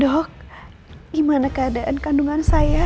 dok gimana keadaan kandungan saya